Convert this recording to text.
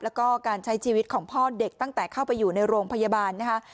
แล้วก็การใช้ชีวิตของพ่อเด็กตั้งแต่เข้าไปอยู่ในโรงพยาบาลนะคะ